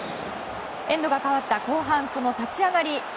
エンドが変わった後半立ち上がり。